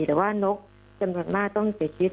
หรือว่านกจำนวนมากต้องเก็บคิด